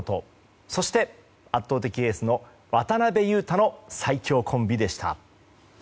そして圧倒的エースの渡邊雄太の最強コンビでした。